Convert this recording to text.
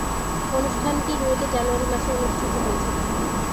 অনুষ্ঠানটি রুয়েটে জানুয়ারি মাসে অনুষ্ঠিত হয়েছিলো।